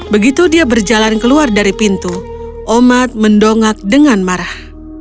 begitu dia berjalan keluar dari pintu omat mendongak dengan marah